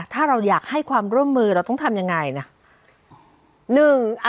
ถ้าเราอยากให้ความร่วมมือเราต้องทำยังไงนะ